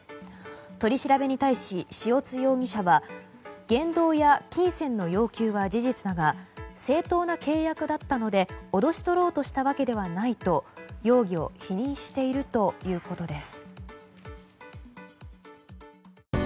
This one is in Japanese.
取り調べに対し、塩津容疑者は言動や金銭の要求は事実だが正当な契約だったので脅し取ろうとしたわけではないと容疑を否認しているということです。